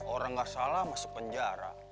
orang nggak salah masuk penjara